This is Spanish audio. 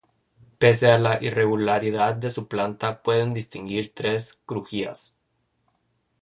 Pese a la irregularidad de su planta pueden distinguir tres crujías.